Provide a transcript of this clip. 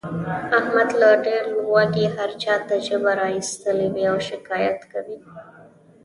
احمد له ډېر لوږې هر چاته ژبه را ایستلې وي او شکایت کوي.